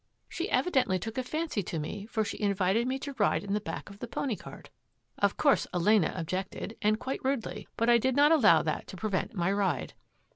She evidently took a fancy to me for she invited me to ride in the back of the pony cart. Of course, Elena ob jected, and quite rudely, but I did not allow that to prevent my ride."